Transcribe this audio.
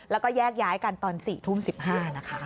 แล้วก็แยกย้ายกันตอน๔ทุ่ม๑๕นะคะ